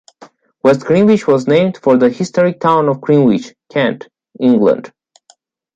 West Greenwich was named for the historic town of Greenwich, Kent, England.